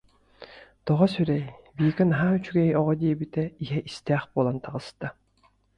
Тоҕо сүрэй, Вика наһаа үчүгэй оҕо диэбитэ иһэ истээх буолан таҕыста